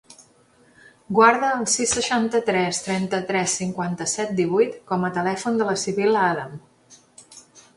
Guarda el sis, seixanta-tres, trenta-tres, cinquanta-set, divuit com a telèfon de la Sibil·la Adam.